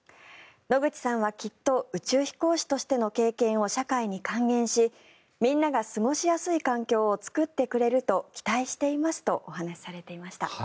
野口さんはきっと宇宙飛行士としての経験を社会に還元しみんなが過ごしやすい環境を作ってくれると期待していますとお話しされていました。